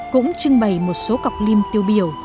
cũng trưng bày một số cọc lim tiêu biểu